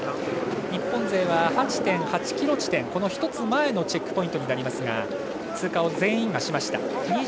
日本勢は８．８ｋｍ地点１つ前のチェックポイントになりますが全員通過しました。